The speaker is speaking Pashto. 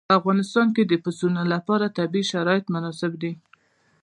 په افغانستان کې د پسونو لپاره طبیعي شرایط مناسب دي.